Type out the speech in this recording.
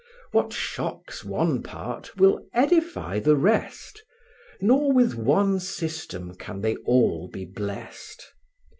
What shocks one part will edify the rest, Nor with one system can they all be blest.